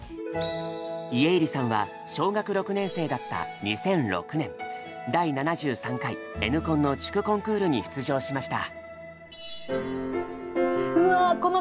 家入さんは小学６年生だった２００６年第７３回Ｎコンの地区コンクールに出場しました。